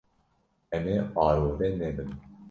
Em ê arode nebin.